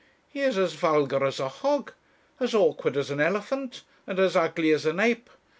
He is as vulgar as a hog, as awkward as an elephant, and as ugly as an ape.